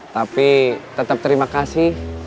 tapi tetap terima kasih